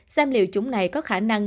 xem liệu chúng này có khả năng